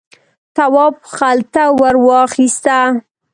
تواب خلته ور واخیسته.